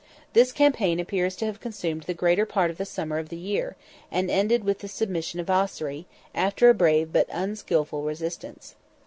This campaign appears to have consumed the greater part of the summer of the year, and ended with the submission of Ossory, after a brave but unskilful resistance.